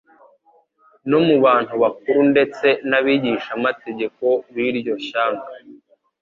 no mu bantu bakuru ndetse n'abigishamategeko b'iryo shyanga.